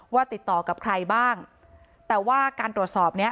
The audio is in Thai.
ติดต่อกับใครบ้างแต่ว่าการตรวจสอบเนี้ย